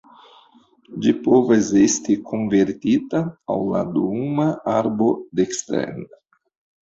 Ĝi povas esti konvertita al la duuma arbo dekstren.